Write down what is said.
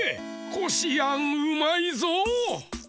こしあんうまいぞ。